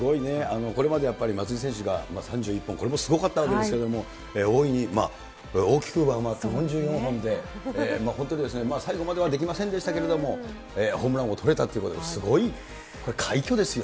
これまで松井選手が３１本、これもすごかったわけですけれども、大いに、大きく上回って、日本中が本当に最後まではできませんでしたけれども、ホームラン王を取れたということで、すごい、これ、快挙ですよ。